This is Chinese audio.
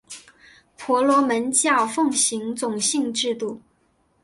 婆罗门教奉行种姓制度。